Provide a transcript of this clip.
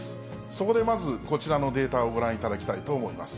そこでまず、こちらのデータをご覧いただきたいと思います。